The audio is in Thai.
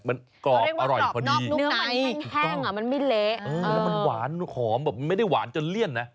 แล้วมันหวานหอมแบบไม่ได้หวานจนเลี่ยนนะ